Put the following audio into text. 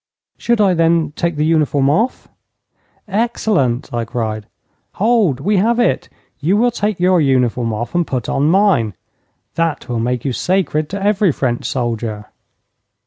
'Should I then take the uniform off?' 'Excellent!' I cried. 'Hold, we have it! You will take your uniform off and put on mine. That will make you sacred to every French soldier.'